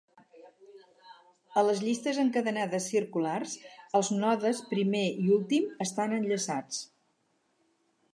A les llistes encadenades circulars els nodes primer i últim estan enllaçats.